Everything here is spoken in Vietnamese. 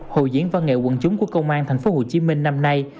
hội diễn văn nghệ quần chúng của công an tp hcm năm nay